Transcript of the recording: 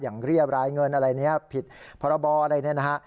เรียบรายเงินอะไรเนี่ยผิดพรบอะไรเนี่ยนะฮะ